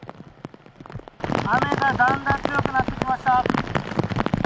雨がだんだん強くなってきました。